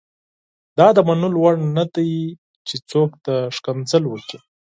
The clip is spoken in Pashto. دا د منلو وړ نه دي چې څوک دې کنځل وکړي.